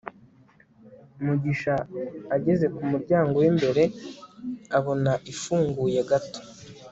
mugisha ageze ku muryango w'imbere, abona ifunguye gato